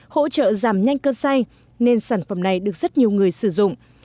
hỗ trợ giảm nhanh cơn say nên sản phẩm này được rất nhiều người sử dụng